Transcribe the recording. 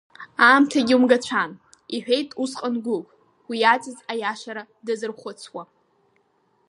Аамҭагьы умгацәан, — иҳәеит усҟан Гәыгә, уи иаҵаз аиашара дазырхәыцуа.